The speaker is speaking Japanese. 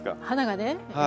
花がね。